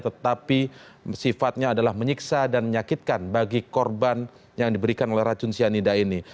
tetapi sifatnya adalah menyiksa dan menyakitkan bagi korban yang diberikan oleh racun cyanida ini